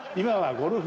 ゴルフ！